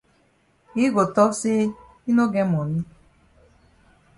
Yi go tok say yi no get moni.